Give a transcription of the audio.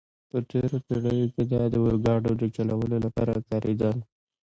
په تېرو پېړیو کې دا د اورګاډو د چلولو لپاره کارېدل.